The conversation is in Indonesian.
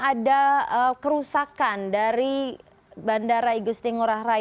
ada kerusakan dari bandara igusti ngurah rai